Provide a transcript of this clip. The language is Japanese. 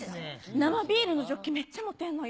生ビールのジョッキ、めっちゃ持てるのよ。